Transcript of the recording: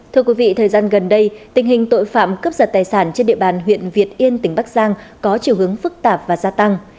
thưa quý vị thời gian gần đây tình hình tội phạm cướp giật tài sản trên địa bàn huyện việt yên tỉnh bắc giang có chiều hướng phức tạp và gia tăng